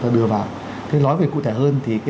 đưa vào thế nói về cụ thể hơn thì cái